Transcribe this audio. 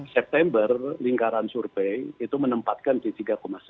september lingkaran survei itu menempatkan di tiga sembilan